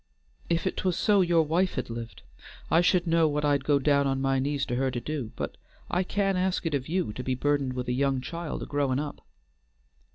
If 't was so your wife had lived I should know what I'd go down on my knees to her to do, but I can't ask it of you to be burdened with a young child a growin' up."